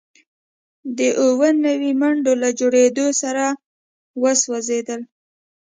د اووه نوي منډو له جوړیدو سره وسوځیدل